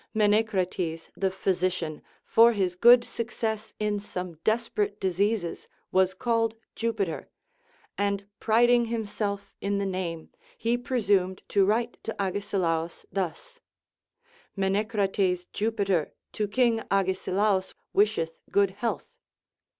Mene crates the physician, for his good success in some desperate diseases, was called Jupiter ; and priding himself in the name, he presumed to write to Agesilaus thus : Menecrates Jupiter to King Agesilaus wisheth good health.